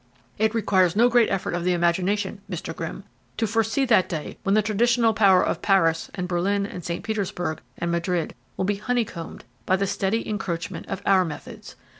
"It requires no great effort of the imagination, Mr. Grimm, to foresee that day when the traditional power of Paris, and Berlin, and St. Petersburg, and Madrid will be honey combed by the steady encroachment of our methods.